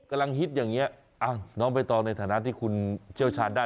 กำลังฮิตอย่างนี้น้องไปต่อในฐานะที่คุณเจียวชาญได้